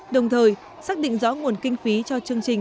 đồng thời xác định rõ nguồn kinh phí cho chương trình